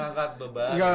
gak boleh ngangkat beban